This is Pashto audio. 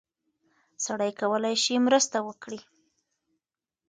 سړی کولی شي مرسته وکړي.